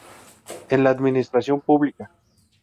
En la administración pública.